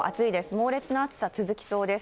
猛烈な暑さ続きそうです。